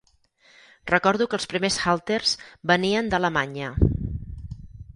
Recordo que els primers halters venien d'Alemanya.